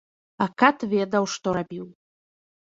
А кат ведаў, што рабіў.